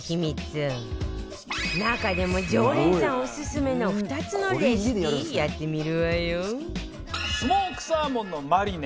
中でも常連さんオススメの２つのレシピやってみるわよ